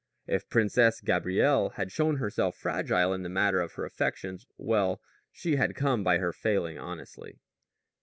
If Princess Gabrielle had shown herself fragile in the matter of her affections, well, she had come by her failing honestly.